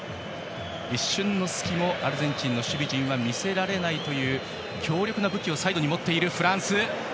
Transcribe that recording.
一瞬の隙もアルゼンチンの守備は見せられないという強力な武器をサイドに持つフランス。